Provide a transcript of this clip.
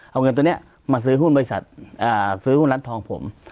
เอาเงินตัวนี้มาซื้อหุ้นบริษัทซื้อหุ้นร้านทองผม